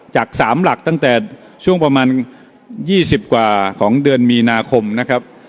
จาก๓หลักตั้งแต่ช่วงประมาณ๒๐กว่าของเดือนมีนาคมนะครับ